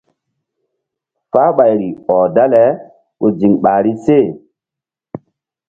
Fahɓayri ɔh dale ku ziŋ ɓahri se.